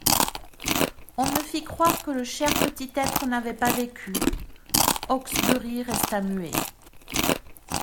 On me fit croire que le cher petit être n'avait pas vécu.» Hawksbury resta muet.